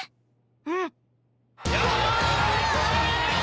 うん！